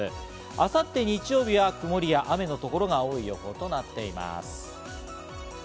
明後日、日曜日は曇りや雨の所が多い予報となっています。